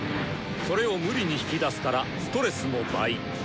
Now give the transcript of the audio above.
それを無理に引き出すからストレスも倍。